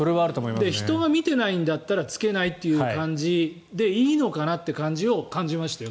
人が見てないんだったら着けないという感じでいいのかなって感じを感じました。